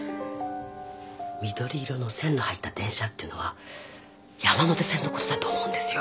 緑色の線の入った電車っていうのは山手線のことだと思うんですよ